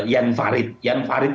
jan farid jan farid